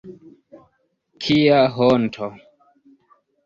Kia honto!